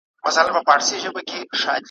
وڅڅوي اوښکي اور تر تلي کړي `